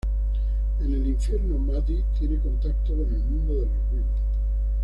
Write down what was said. En el infierno maddy tiene contacto con el mundo de los vivos.